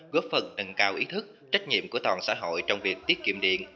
góp phần nâng cao ý thức trách nhiệm của toàn xã hội trong việc tiết kiệm điện